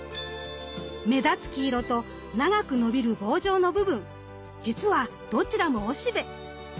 目立つ黄色と長く伸びる棒状の部分実はどちらもおしべ。